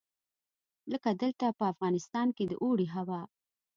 لکه دلته په افغانستان کې د اوړي هوا.